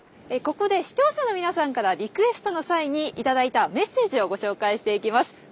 ここで視聴者の皆さんからリクエストの際に頂いたメッセージをご紹介していきます。